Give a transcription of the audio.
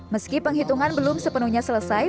meski penghitungan belum sepenuhnya selesai